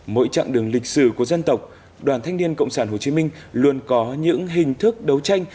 mỗi chặng đường lịch sử của dân tộc đoàn thanh niên cộng sản hồ chí minh luôn có những hình thức đấu tranh